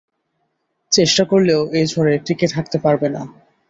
চেষ্টা করলেও এই ঝড়ে টিকে থাকতে পারবেন না!